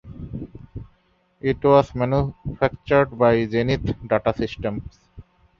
It was manufactured by Zenith Data Systems.